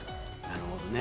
なるほどね。